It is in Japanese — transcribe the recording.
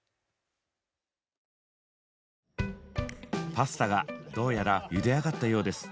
パスタがどうやらゆで上がったようです。